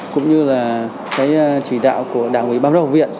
cũng như là cái chỉ đạo của đảng ubh học viện